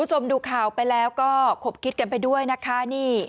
คุณผู้ชมดูข่าวไปแล้วก็ขบคิดกันไปด้วยนะคะนี่